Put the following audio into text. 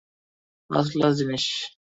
First class জিনিস।